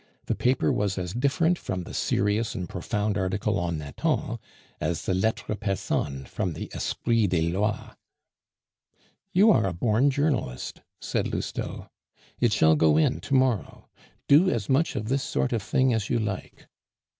The paper was as different from the serious and profound article on Nathan as the Lettres persanes from the Esprit des lois. "You are a born journalist," said Lousteau. "It shall go in to morrow. Do as much of this sort of thing as you like."